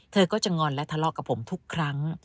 เธอก็จะงอนและทะเลาะกับผมทุกครั้ง